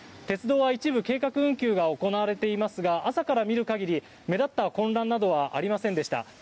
鉄道は一部計画運休が行われていますが朝から見る限り目立った混乱などはありませんでした。